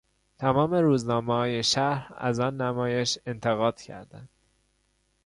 تمام روزنامههای شهر از آن نمایش انتقاد کردند.